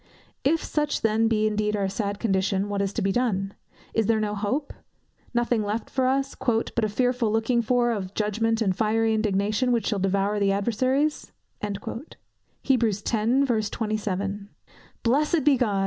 If such then be indeed our sad condition, what is to be done? Is there no hope? Nothing left for us, "but a fearful looking for of judgment, and fiery indignation, which shall devour the adversaries?" Blessed be God!